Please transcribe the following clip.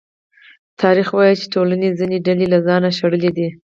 تاریخ وايي چې ټولنې ځینې ډلې له ځانه شړلې دي.